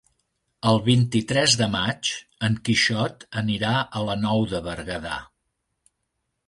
El vint-i-tres de maig en Quixot anirà a la Nou de Berguedà.